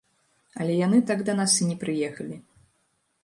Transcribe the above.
Але яны так да нас і не прыехалі.